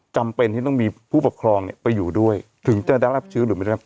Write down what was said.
จำเป็นที่ต้องมีผู้ปกครองเนี่ยไปอยู่ด้วยถึงจะได้รับเชื้อหรือไม่ได้รับ